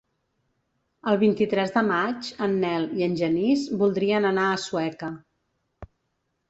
El vint-i-tres de maig en Nel i en Genís voldrien anar a Sueca.